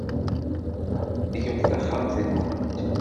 Sizedgemt taxxamt-nkent.